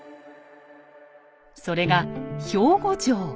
それが兵庫城。